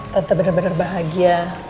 tante benar benar bahagia